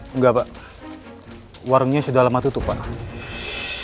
enggak pak warungnya sudah lama tutup pak